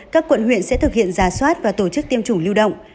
các quận huyện sẽ thực hiện giả soát và tổ chức tiêm chủng lưu động